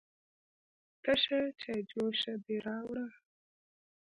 _تشه چايجوشه دې راوړه؟